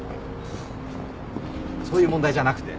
ハァそういう問題じゃなくて。